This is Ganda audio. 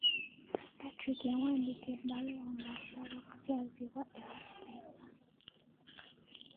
Patrick yawandiika ebbaluwa ng'asaba okukyazibwa ewa ssenga.